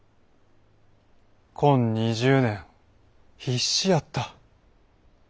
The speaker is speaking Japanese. こん２０年必死やった。